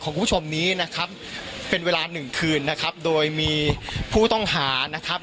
คุณผู้ชมนี้นะครับเป็นเวลาหนึ่งคืนนะครับโดยมีผู้ต้องหานะครับ